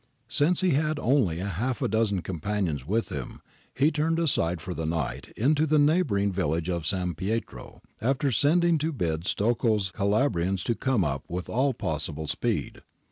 Since he had only half a dozen companions with him, he turned aside for the night into the neighbouring village of S. Pietro, after sending to bid Stocco's Cala brians to come up with all possible speed.